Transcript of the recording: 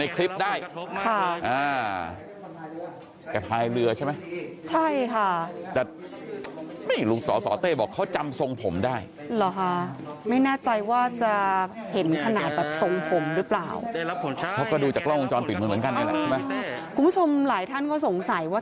คุณผู้ชมหลายท่านก็สงสัยว่า